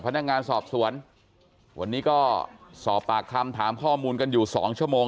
พนักงานสอบสวนวันนี้ก็สอบปากคำถามข้อมูลกันอยู่สองชั่วโมง